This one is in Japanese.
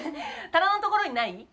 棚のところにない？